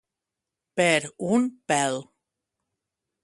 Per un pèl.